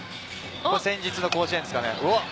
先日の甲子園です。